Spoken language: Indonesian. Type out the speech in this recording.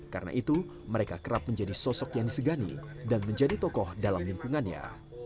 karena itu mereka kerap menjadi sosok yang disegani dan menjadi tokoh dalam lingkungannya